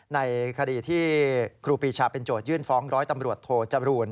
ในคดีที่ครูปีชาเป็นโจทยื่นฟ้องร้อยตำรวจโทจรูล